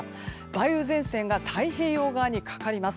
梅雨前線が太平洋側にかかります。